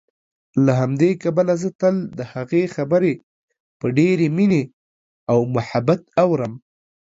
له همدې کبله زه تل دهغې خبرې په ډېرې مينې او محبت اورم